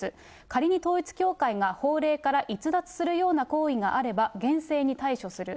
仮に統一教会が法令から逸脱するような行為があれば、厳正に対処する。